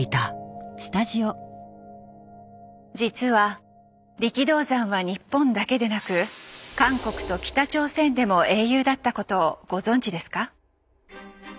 実は力道山は日本だけでなく韓国と北朝鮮でも英雄だったことをご存じですか？